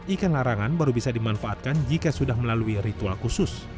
ikan larangan baru bisa dimanfaatkan jika sudah melalui ritual khusus